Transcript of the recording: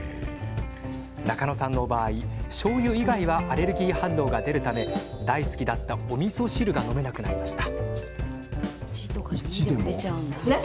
中野さんの場合、しょうゆ以外はアレルギー反応が出るため大好きだった、おみそ汁が飲めなくなりました。